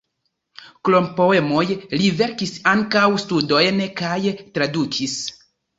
Krom poemoj li verkis ankaŭ studojn kaj tradukis.